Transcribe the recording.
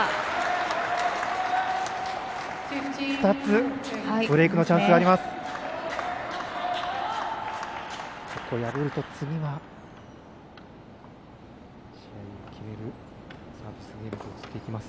２つブレークのチャンスがあります。